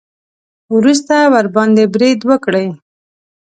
وروسته ورباندې برید وکړي.